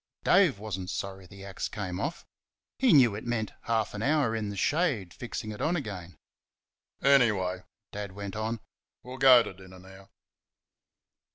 Dave was n't sorry the axe came off he knew it meant half an hour in the shade fixing it on again. "Anyway," Dad went on, "we'll go to dinner now."